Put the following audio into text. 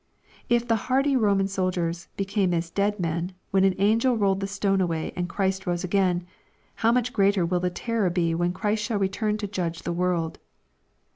— If the hardy Boman solJiers " became as dead men,'' when an angel rolled the stone away and Christ rose again, how much greater will the terror be when Christ shall return to judge the world.